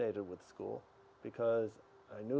itu adalah homeschooling